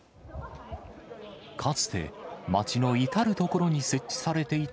かつて街の至る所に設置されていた